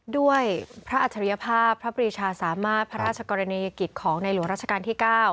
ด้วยพระอัจฉริยภาพพระปรีชาสามารถพระราชกรณียกิจของในหลวงราชการที่๙